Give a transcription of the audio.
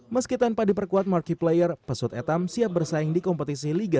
meski tanpa diperkuat marquee player pesut etam siap bersaing di kompetisi liga satu dua ribu tujuh belas